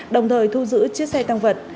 đồng thời thu giữ chiếc xe tăng vật